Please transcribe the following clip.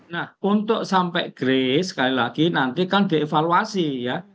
nah untuk sampai grace sekali lagi nanti kan dievaluasi ya